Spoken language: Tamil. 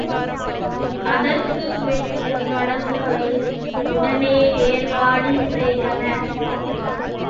அதற்கு வேண்டிய படகுகளையும் உடனே ஏற்பாடு செய்தனர்.